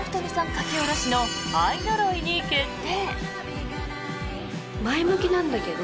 書き下ろしの「アイノロイ」に決定。